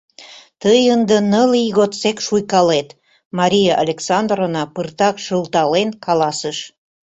— Тый ынде ныл ий годсек шуйкалет, — Мария Александровна пыртак шылтален каласыш.